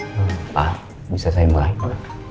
gak apa apa bisa saya mulai dulu